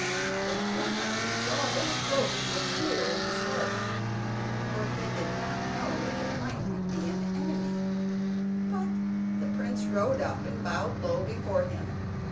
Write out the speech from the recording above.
The king saw them approach with fear in his heart, for he did not know if it might not be an enemy; but the prince rode up, and bowed low before him.